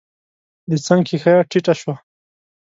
د څنګ ښېښه ټيټه شوه.